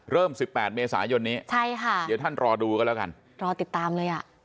สิบแปดเมษายนนี้ใช่ค่ะเดี๋ยวท่านรอดูกันแล้วกันรอติดตามเลยอ่ะ